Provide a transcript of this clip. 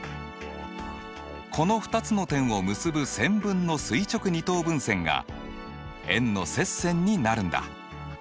この２つの点を結ぶ線分の垂直二等分線が円の接線になるんだ。